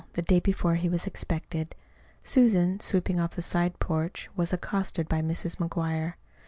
The day before he was expected, Susan, sweeping off the side porch, was accosted by Mrs. McGuire.